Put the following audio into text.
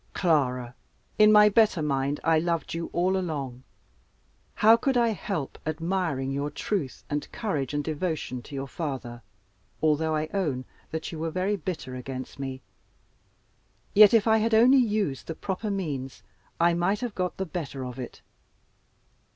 Clara, in my better mind I loved you all along. How could I help admiring your truth and courage and devotion to your father? Although I own that you were very bitter against me, yet, if I had only used the proper means, I might have got the better of it.